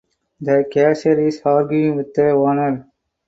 The cashier is arguing with the owner.